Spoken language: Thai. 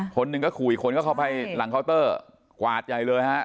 คนหนึ่งก็ขู่อีกคนก็เข้าไปหลังเคาน์เตอร์กวาดใหญ่เลยฮะ